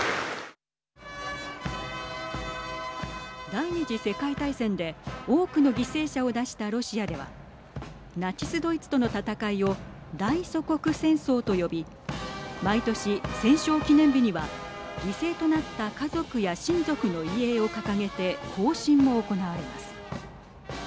第２次世界大戦で多くの犠牲者を出したロシアではナチス・ドイツとの戦いを大祖国戦争と呼び毎年、戦勝記念日には犠牲となった家族や親族の遺影を掲げて行進も行われます。